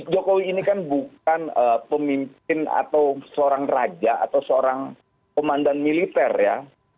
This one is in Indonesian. jokowi ini kan bukan pemimpin atau seorang raja atau seorang komandan militer ya